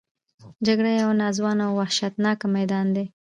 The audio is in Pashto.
جګړه یو ناځوانه او وحشتناک میدان دی